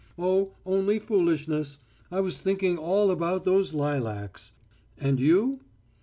"Oh, only foolishness. I was thinking all about those lilacs. And you?"